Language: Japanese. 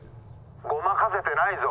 「ごまかせてないぞ」。